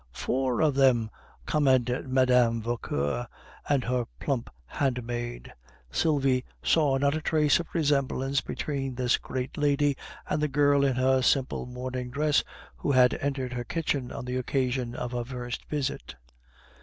"Four of them!" commented Mme. Vauquer and her plump handmaid. Sylvie saw not a trace of resemblance between this great lady and the girl in her simple morning dress who had entered her kitchen on the occasion of her first visit.